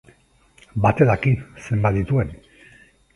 Batek daki zenbat dituen!